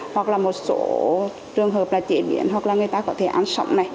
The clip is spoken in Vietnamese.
hoặc là một số trường hợp là chế biến hoặc là người ta có thể ăn sống này